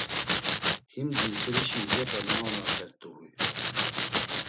Him dintsxirişi izepe naonasert̆u huy.